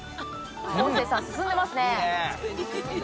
昴生さん進んでますね。